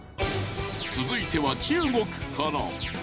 続いては中国から。